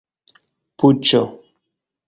puĉo